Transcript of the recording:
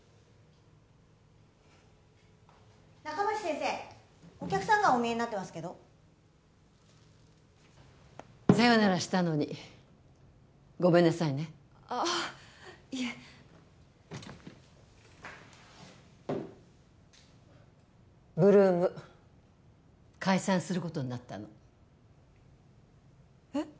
・仲町先生お客さんがお見えになってますけどさよならしたのにごめんなさいねあっいえ８ＬＯＯＭ解散することになったのえっ？